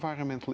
jadi ini bukan